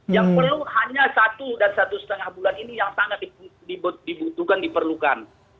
yang perlu hanya satu dan satu setengah bulan ini yang sangat dibutuhkan diperlukan